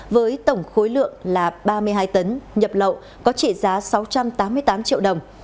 với tổng khối lượng là ba mươi hai tấn nhập lậu có trị giá sáu trăm tám mươi tám triệu đồng